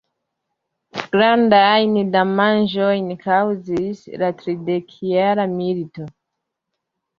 Grandajn damaĝojn kaŭzis la Tridekjara milito.